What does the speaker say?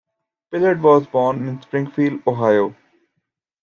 Pillard was born in Springfield, Ohio.